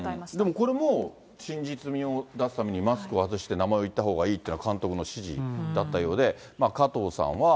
でもこれも真実味を出すためにマスクを外して、名前を言ったほうがいいというのは、監督の指示だったようで、加藤さんは。